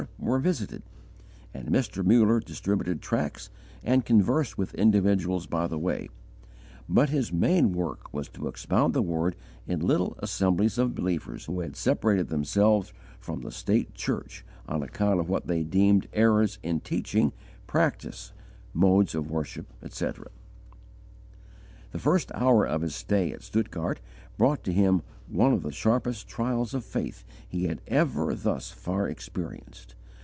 were visited, and Mr. Muller distributed tracts and conversed with individuals by the way; but his main work was to expound the Word in little assemblies of believers, who had separated themselves from the state church on account of what they deemed errors in teaching, practice, modes of worship, etc. The first hour of his stay at Stuttgart brought to him one of the sharpest trials of faith he had ever thus far experienced.